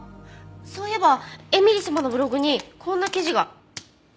そういえば絵美里様のブログにこんな記事が。